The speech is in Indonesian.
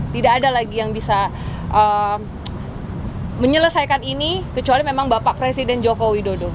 tidak ada lagi yang bisa menyelesaikan ini kecuali memang bapak presiden joko widodo